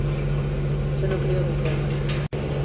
yo no creo que sea malo